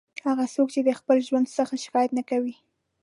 هغه څوک چې د خپل ژوند څخه شکایت نه کوي.